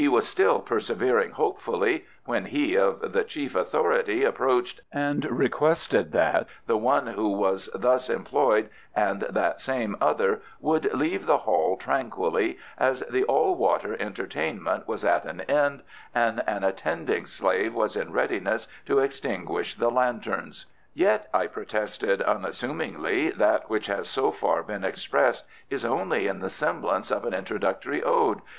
He was still persevering hopefully when he of chief authority approached and requested that the one who was thus employed and that same other would leave the hall tranquilly, as the all water entertainment was at an end, and an attending slave was in readiness to extinguish the lanterns. "Yet," I protested unassumingly, "that which has so far been expressed is only in the semblance of an introductory ode.